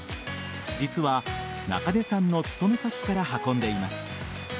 実は、中出さんの勤め先から運んでいます。